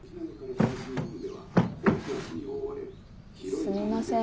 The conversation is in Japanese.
すみません。